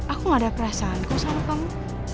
aku gak ada perasaan kok sama kamu